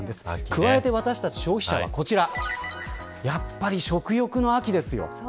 加えて、私たち消費者はこちらやっぱり、食欲の秋ですよ。